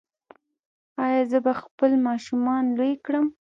ایا زه به خپل ماشومان لوی کړم؟